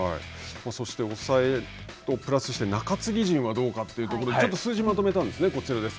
そして抑えとプラスして中継ぎ陣はどうかというところでちょっと数字をまとめたんですが、こちらです。